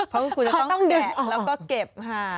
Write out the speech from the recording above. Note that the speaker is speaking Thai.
เพราะคุณจะต้องแดดแล้วก็เก็บ